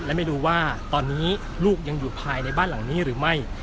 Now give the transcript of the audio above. และไม่รู้ว่าตอนนี้ลูกยังอยู่ภายในบ้านหลังนี้หรือไม่